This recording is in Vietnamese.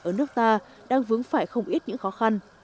ở nước ta đang vướng phải không ít những khó khăn